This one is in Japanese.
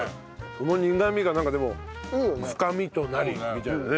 その苦みがなんかでも深みとなりみたいなね。